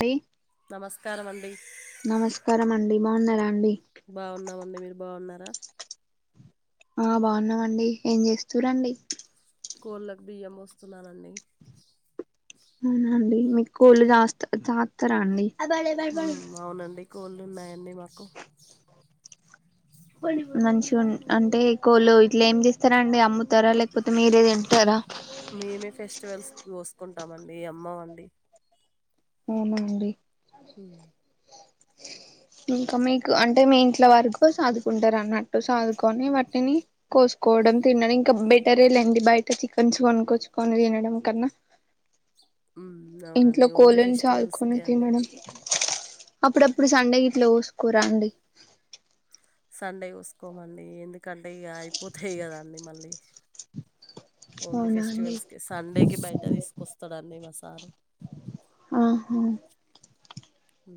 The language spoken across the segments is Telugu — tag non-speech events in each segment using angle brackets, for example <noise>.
డి నమస్కారం అండి నమస్కారం అండి బాగున్నారండి బాగున్నామండి మీరు బాగున్నార అ ఆ బాగున్నామండి ఏం చేస్తూ రండి కోళ్ళకు బియ్యం పోస్తున్నానండి అవునా అండి మీకు కోళ్ళు దాస్త చాస్తారా అండి అవునండి కోళ్లు ఉన్నాయండి మాకు మంచి ఉన్ అంటే కోళ్ళు ఇట్లా ఏం చేస్తారా అండి అమ్ముతారా లేకపోతే మీరే తింటారా మేమే ఫెస్టివల్స్ కి కొస్తం కుంటామండి అమ్మమండి అవునా అండి హ ఇంకా మీకు అంటే మీ ఇంట్లో వరకు సాదుకుంటారు అన్నట్టు సాదుకొని వాటిని కోసుకోవడం తినడం ఇంకా బెటరే లేండి బయట చికెన్స్ కొనుకొచ్చుకొని తినడం కన్నా ఉమ్ ఇంట్లో అవునండి ఓన్లీ కోళ్ళలను చాకొని ఫెస్టివల్స్కే అండి తినడం అప్పుడప్పుడు సండే ఇట్ల కోసుకొరాండి సండే కోసుకోమండి ఎందుకంటే ఇగ అయిపోతాయి కదండి మళ్ళీ ఓన్లీ అవునా అండి ఫెస్టివల్స్ కే సండేకిి బయట తీసుకొస్తాడుడిీ మా సారు ఆహా అవు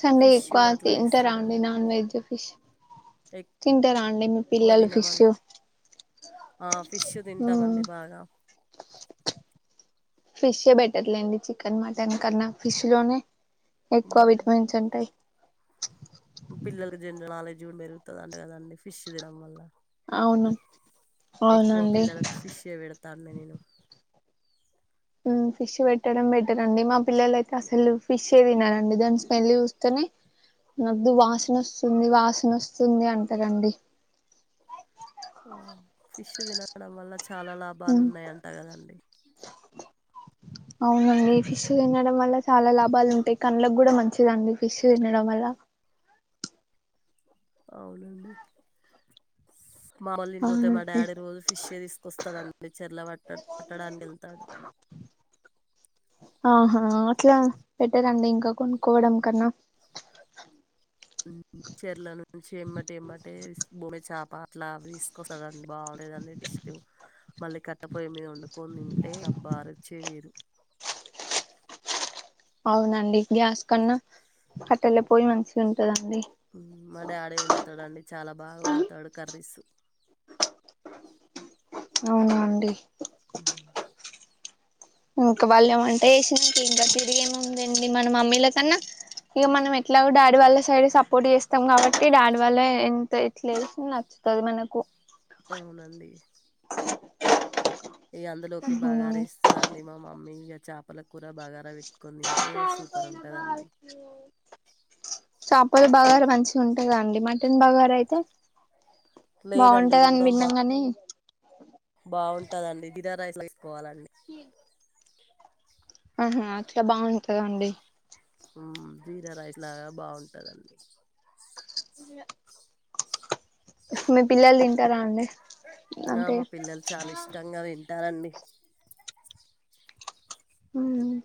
సండే ఎక్కువ తింటే రండి నాన్ వెజ్ ఫిష్ తింటే రండి మీ ఎక్కువ పిల్లలు ఫిష్ తినమండి ఆ ఫిష్ మ్మ్ తింటామండి బాగా ఫిషే ఏ బెటర్ లెండి చికెన్ మటన్ కన్నా ఫిష్ లోనే ఎక్కువ విటమిన్స్ ఉంటాయి పిల్లలకి జనరల్ నాలెడ్జ్ కూడా పెరుగుతది అంట కదండి ఫిష్ తినడం వల్ల అవును ఎక్కువ అవునండి పిల్లలకు ఫిష్ ఏ పెడతా అండి నేను ఉ ఫిష్ పెట్టడం బెటర్ అండి మా పిల్లల అయితే అసలు ఫిషే తినరండి దాని స్మెల్ చూస్తేనే వద్దు వాసన వస్తుంది వాసన వస్తుంది అంటారండి ఫిష్ తినడం వళ్ళ చాలా లాభాలు మ్మ్ ఉన్నాయంట కదండి అవునండి ఫిష్ తినడం వల్ల చాలా లాభాలు ఉంటాయి కళ్లకు కూడా మంచిదండి ఫిష్ తినడం వల్ల అవునండి మావోలు ఇం పోతే మా అవునండి డాడీ రోజు ఫిష్ తీసుకొస్తాదండి చెరల పట్ట పట్టడానికి వెళ్తాడు ఆహా అట్లా పెట్టరండి ఇంకా కొనుక్కోవడం కన్నా ఉ చెరల నుంచి ఏమ్మటి ఏమ్మటే భూమి చేప అట్లా తీసుకొస్తాడండి బాగలేదు అన్న ఇష్టం మళ్ళీ కట్టపోయ మీద వండు తింటే <inaudible> చేయనిరు అవునండి గ్యాస్ కన్నా కట్టలే పోయి మంచిగా ఉంటదండి మా డాడీ వండుతాడండి చాలా బాగా వండుతాడు కర్రీసు అవునా అండి ఆ ఇంక వాళ్ళు వంట చేసినాక ఇంకా తిరుగు ఏముందండి మన మమ్మీల కన్నా ఇక ఎట్లాగో డాడీ వాళ్ళ సైడ్ సపోర్ట్ చేస్తాం కాబట్టి డాడీ వాళ్ళే ఎంత ఇట్లా చేసిన నచ్చుతది మనకు అవునండి ఇ అందులోకి బాగా అరేస్తుందండి మా మమ్మీ చేపల కూర బగారా పెట్టుకొని <inaudible> తింటే సూపర్ ఉంటదండి చాపల మంచిగా ఉంటాయి కదండి మటన్ బగరా అయితే లేదండి ఇది బాగుంటదని కూడా బా విన్నాం గాని బాగుంటదండి జీరా లైస్ పోవాలండి ఆహా అట్లా బాగుంటదండి ఆ జీరా రైస్ లాగా బాగుంటదండి ఇంగ మీ పిల్లలు తింటారా అండి ఆ అంటే మా పిల్లలు చాలా ఇష్టంగా తింటారండి హ్మ్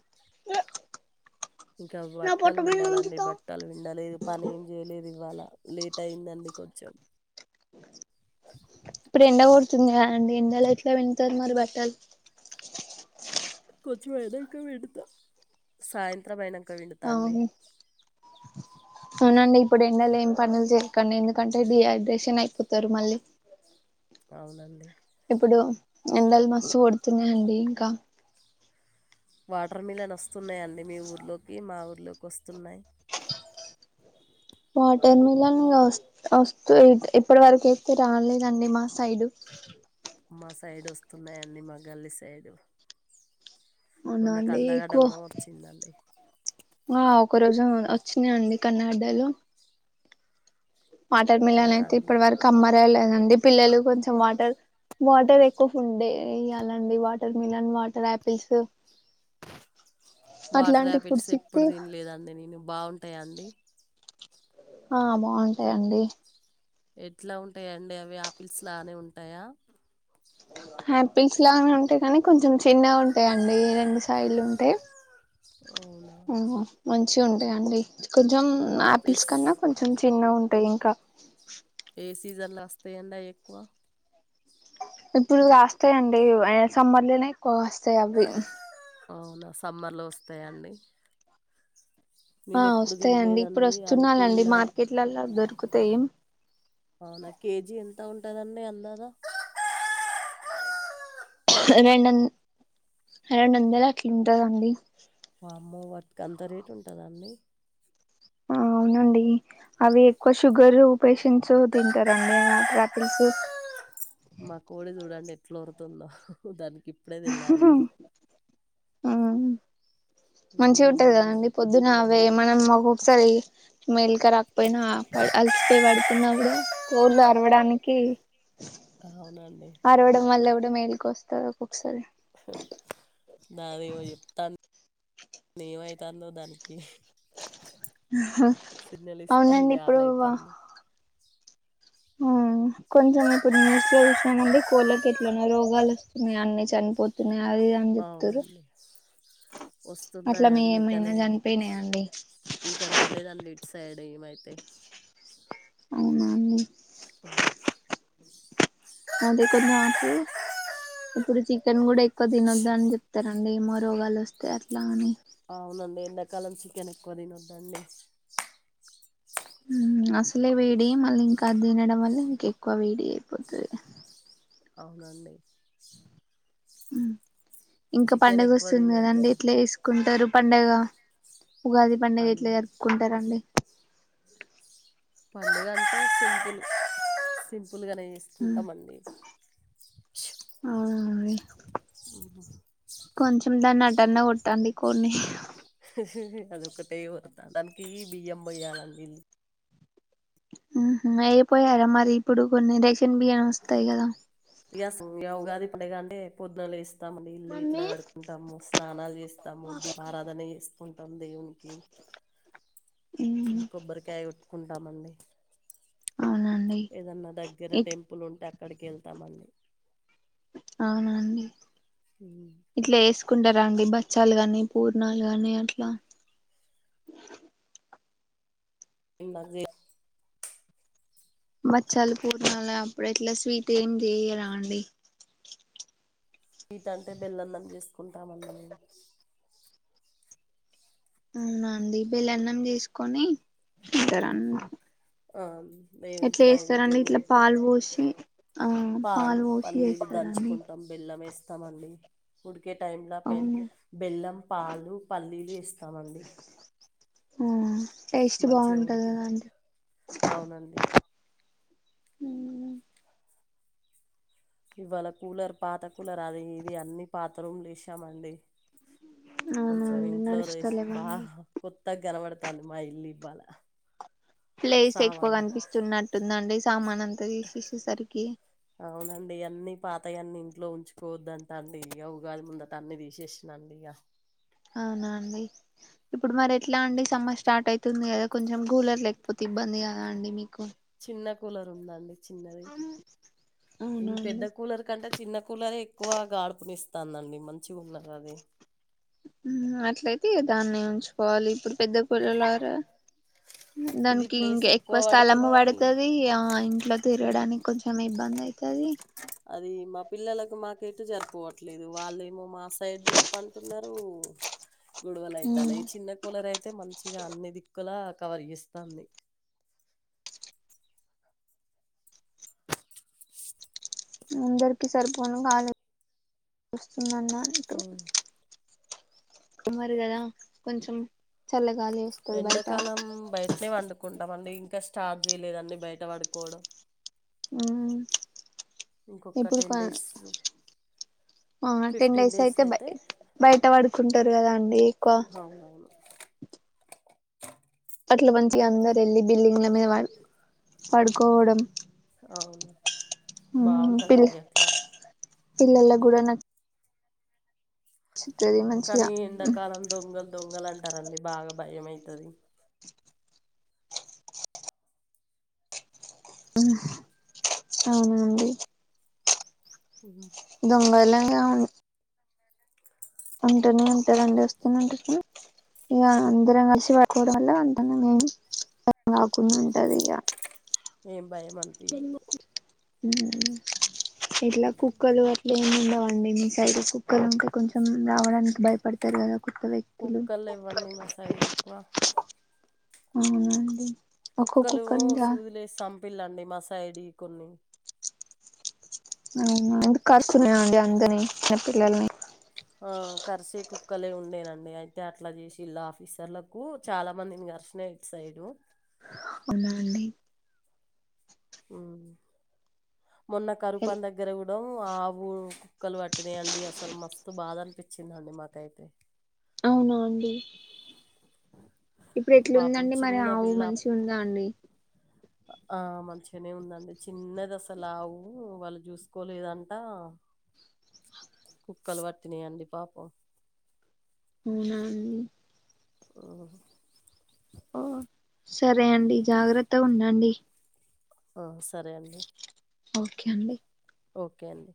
ఇంకా బట్టలు పిండాలండి బట్టలు పిండలేదు పని ఏం చేయలేదు ఇవాళ లేట్ అయిందండి కొంచెం ఇప్పుడు ఎండ కొడుతుంది కదా అండి ఎండలో ఎట్లా పిండుతారు మరి బట్టలు కొంచెం ఎండ అయినాక పిండుతా సాయంత్రం అయినా పిండుతాంది అవును అవునండి ఇప్పుడు ఎండలు ఏం పనులు చేయకండి ఎందుకంటే డిహైడ్రేషన్ అయిపోతారు మళ్ళీ అవునండి ఇప్పుడు ఎండలు మస్తు కొడుతున్నాయండి ఇంకా వాటర్ మిలన్ వస్తున్నాయండి మీ ఊర్లోకి మా ఊర్లోకి వస్తున్నాయి వాటర్ మిలన్ వ వస్త ఇప్పటి వరకుయితే రాలేదండి మా సైడు మా సైడు వస్తున్నాయండి మా గల్లి సైడు అవున అండి ఎక్కువ వచ్చిందండి ఆ ఒక రోజు ఉ వచ్చినా అండి కన్నడలో వాటర్ ఇక్కడ మిలన్ అయితే కం ఇప్పటి వరకు అమ్మ లేదండి పిల్లలు కొంచెం వాటర్ వాటర్ ఎక్కువ ఫుడ్డే ఇయ్యాలండి watermelon water apples water apples foods ఎప్పుడు ఇస్తే తినలేదండి నేను బాగుం బాగుంటాయా అండి ఆ బాగుంటాయి అండి ఎట్లా ఉంటాయండి అవి ఆపిల్స్ లానే ఉంటాయా ఆపిల్స్ లానే ఉంటాయి కానీ కొంచెం చిన్నగా ఉంటాయండి రెండు సైడ్ లు ఉంటాయి అవునా మంచి గా ఉంటాయండి కొంచ్ కొంచెం ఆపిల్స్ ఎస్ కన్నా కొంచెం చిన్న ఉంటాయి ఇంకా ఏ సీజన్లో వస్తాయండి అవి ఎక్కువ ఇప్పుడు కాస్తాయండి అయినా సమ్మర్లోనే ఎక్కువ కాస్తాయి అవి అవునా సమ్మర్లో వస్తాయా అండి ఆ వస్తాయండి ఇప్పుడు తినలేదండి వస్తున్నాయండి అంటున్నా మార్కెట్లలో దొరుకుతాయి అవునా కేజీ ఎం ఎంతా ఉంటాదండి అందగ రెండంద రెండు వందలు అట్లా ఉంటాదండి వామ్మో వాటికి అంత రేటు ఉంటద అండి అవునండి అవి ఎక్కువ షుగరు పేషంట్స్ తింటారండి వాటర్ ఆపిల్స్ మా కోడి చూడండి ఎట్లారుతుందో దానికి ఇప్పుడే తెల్లారింది మంచిగా బియ్యం ఉంటుంది పోయలే కదండి పొద్దున అవే మనం ఒక్కొక్కసారి మేలిక రాకపోయినా అలిసిపోయి పడుకున్న కూడా కోళ్లు అరవడానికి అవునండి అరవడం వల్ల కూడా మేలికి వస్తాది ఒక్కొక్కసారి దాదేమో చెప్తాను ఏమైతాందో దానికి సిగ్నల్ అవునండి ఇస్తుంది ఇప్పుడు ఆకలి వ అవుతుంది ఆ కొంచెం ఇప్పుడు న్యూస్ లో చూసినామండి కోళ్ళకి ఎట్లనో రోగాలు వస్తున్నాయి అన్ని చనిపోతున్నాయి అది ఇది అని చెప్తురు అవునండి అట్లా మీ వస్తున్నాయండి ఏమైనా కానీ చనిపోయినాయా అండి ఇంకా రాలేదండి ఇటు సైడ్ మేమైతే అవున అండి అ అదే కొంచెం అప్పుడు ఇప్పుడు చికెన్ కూడా ఎక్కువ తినొద్దు అని చెప్తారండి ఏమో రోగాలు వస్తాయి అట్లా అని అవునండి ఎడాకాలం చికెన్ ఎక్కువ తినద్దండి అసలే వేడి మళ్ళీ ఇంకా తినడం వల్ల ఇంక ఎక్కువ వేడి అయిపోతుది అవునండి మ్మ్ ఇంకా చికెన్ పండుగ ఎక్కువ వస్తుంది తినొద్దు కదండి ఎట్లా వేసుకుంటారు పండుగ ఉగాది పండుగ ఎట్లా జరుక్కుంటారండి పండుగంతా సింపుల్ స్విచ్ ఫుల్గానే మ్మ్ చేసుకుంటామండి ఆ ఆ కొంచెం దాన్నిటనే కొట్టండి కొడ్ని అద ఒక టే వరతా తానికి బియ్యంమయ్యాలల్ అయిపోయా మరి ఇప్పుడు కొన్ని రేషన్ బియ్యం వస్తాయి కదా ఎస్ వ ఉగాది ఇప్పుడే కా అండి పొద్దునలేస్తే వస్తామ ఇల్లు ఇట్లా కడుకుంటాము స్నానాలు చేస్తాము దీప ఆరాధన చేసుకుంటాము దేవునికి మ్మ్ కొబ్బరికాయ కోట్ కుంటామండి అవునండి ఏదన్నా దగ్గర ఇట్ టెంపుల్ ఉంటే అక్కడికి వెళ్తామండి అవునండి చాలు కానీ పూర్ణాలు కాగానీ అట్లా ఇంగ అవే మచ్చాలు పూర్ణాల అప్పుడు ఎట్లా స్వీట్ ఏం చేయరా అండి వీటంటే బెల్లంనం చేసుకుంటాంము అవునండి బీళ్ళ అన్నం చేసుకొని తింటారా ఆ దేవునికి ఎట్లా చేస్తారండి నైవేద్యంగా ఇట్లా పాలు పెట్టి పోసి ఆ పాలు పోసి చేస్తారండి ఇస్తామండి ఉడి కే టైంలో పె అవును బెల్లం పాలు పల్లీలు ఏస్తామండి ఆ టేస్ట్ బాగుంటది ఉడికిన కదండీ అవునండి ఇవాళ కూలర్ పాత కూలర్ అది ఇది అన్ని పాత రూములు ఇసామండి కొంచెం అవునండి ఇంట్లో రేసి బా నడుస్తలేవండి కొత్తగా కనపడతంది తంది మా ఇల్ ఇబ్బాల ప్లేస్ ఎక్కువ కనిపిస్తున్నట్టుందండి సామాన్ అంతా తీసేసేసరికి అవునండి ఇవన్నీ పాతయన్ని ఇంట్లో ఉంచుకోవద్దంత అండి ఇక ఉగాది ముందత అన్ని తీసేసాండి ఇక అవునా అండి ఇప్పుడు మరి ఎట్లా అండి సమ్మర్ స్టార్ట్ అవుతుంది కదా కొంచెం కూలర్ లేకపోతే ఇబ్బంది కదా అండి మీకు చిన్న కూలరు ఉందండి చిన్నది ఈ పెద్ద అవునండి కూలర్ కంటే చిన్న కూలరే ఎక్కువ గాడుపునిస్తానండి మంచిగా ఉన్నారు అదే అట్లయితే దాన్ని ఉంచుకోవాలి ఇప్పుడు పెద్ద కూల్లలార ఇది దానికి ప్లేస్ ఇంకా ఎక్కువ స్థలము పడుతుంది పడుతది ఆ ఇంట్లో తిరగడానికి కొంచెం ఇబ్బంది అయితాది అది మా పిల్లలకు మాకైతే జరుపువట్లేదు వాళ్ళేమో మా సైడ్ తిప్పంటున్నారు గొడవలు అయితానాయి ఈ చిన్న కూలర అయితే మంచిగా అన్ని దిక్కుల కవర్ ఇస్తాంది అందరికి సరిపోను కాలేజ్ వస్తుందన్న ఉ మరి కదా కొంచెం చల్లగా ఎండాకాలం బయటనే వండుకుంటాం ఇంకా స్ స్టార్జ్ చేయలేదు అండి బయట పడుకోవడం అ ఇంకొక ఇప్పుడు టెన్ డేస్ ఆ టెన్ డేస్ అయితే బ బయట పడుకుంటారు కదా అండి ఎక్కువ అవునవును అట్లా మంచిగా అందరు వెళ్ళి బిల్డింగ్ల మీద పడుకోవడం అవును పిల్ బాగుంటుందండి అట్లా పిల్లలకు గుడన చిత్రది మంచిగా కానీ ఎండాకాలం దొంగలు దొంగలు అంటారండి బాగా భయంమవుతుది అవునా అండి ఉ దొంగలం గాము ఉంటునే ఉంటదండి వస్తూనే, ఉంటు ఇక అందరం కలిసి పడుకోవడం వల్ల, అంటనే మేము కాకుండా ఉంటది ఇగ. ఏం భయం అనిపియదు ఉహు ఇట్లా కుక్కలు గట్ల ఎం ఉండవా అండి మీ సైడ్ కుక్కలు ఇంకా కొంచెం రావడానికి భయపడతారు కదా కొత్త వ్యక్తులు కుక్కలు లేవ్వండి మా సైడ్ ఎక్కువ అవునా అండి కుక్కలు సూదులేసాం పిల్లాండి మాసాయిది కొన్ని అవు ఎందుకు కర్చుద్ది అండి అందరిని చిన్న పిల్లల్ని ఆ కర్సే కుక్కలే ఉండేనండి అయితే అట్లా చేసిల్లు ఆఫీసర్లకు చాలా మందిని కర్సినై ఇట్ సైడు అవునా అండీ ఉమ్ మొన్న కరుపన దగ్గర ఉ డం ఆవు కుక్కలు పట్టినయి అండి అసలు మస్తు బాధ అనిపించిందండి మాకైతే అవునా అండి ఇప్పుడు పాపం ఎట్లుందండి మరి చిన్న ఆవు పిల్ల మంచిగుందా అండి ఆ మంచిగనే ఉందండి చిన్నది అసలు ఆవు వాళ్ళు చూసుకోలేదంటా కుక్కలు పట్టినాయండి పాపం అవునా అండి ఓ ఓ సరే అండి జాగ్రత్తగా ఉండండి ఆ సరే అండి ఓకే అండి ఓకే అండి